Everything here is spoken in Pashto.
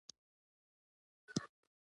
د تاويز بند يې په ګوتو راکښ کړ.